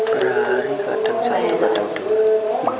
per hari kadang satu kadang dua